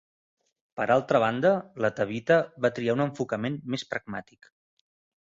Per altra banda, la Tabitha va triar un enfocament més pragmàtic.